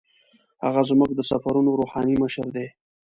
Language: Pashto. هغه زموږ د سفرونو روحاني مشر دی.